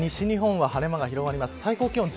この先、西日本は晴れ間が広がります。